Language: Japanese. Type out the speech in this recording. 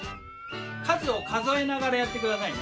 数を数えながらやって下さいね。